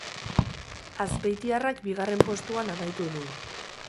Azpeitiarrak bigarren postuan amaitu du.